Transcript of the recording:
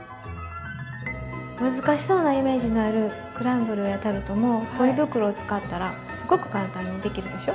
難しそうなイメージのあるクランブルやタルトもポリ袋を使ったらすごく簡単にできるでしょ？